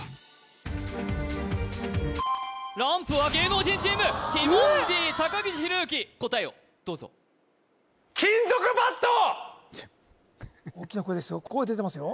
ランプは芸能人チームティモンディ高岸宏行答えをどうぞ大きな声ですよ